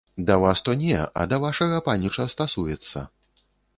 Да вас то не, а да вашага паніча стасуецца.